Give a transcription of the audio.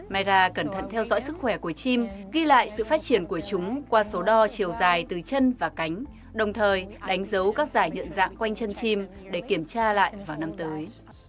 mayra cẩn thận theo dõi sức khỏe của chim ghi lại sự phát triển của chúng qua số đo chiều dài từ chân và cánh đồng thời đánh dấu các giải nhận dạng quanh chân chim để kiểm tra lại vào năm tới